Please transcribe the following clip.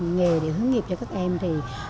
nghề để hướng nghiệp cho các em thì